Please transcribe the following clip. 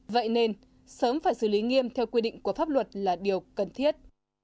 vậy nên sớm phải xử lý nghiêm theo quy định của pháp luật là điều cần thiết